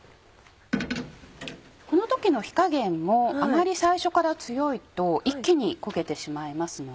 この時の火加減もあまり最初から強いと一気に焦げてしまいますので。